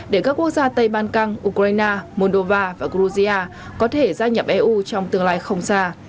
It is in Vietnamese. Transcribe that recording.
để các quốc gia tây ban căng ukraine moldova và georgia có thể gia nhập eu trong tương lai không xa